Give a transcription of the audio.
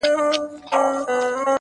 o سل عقله په سلو ټکرو زده کېږي!